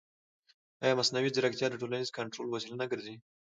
ایا مصنوعي ځیرکتیا د ټولنیز کنټرول وسیله نه ګرځي؟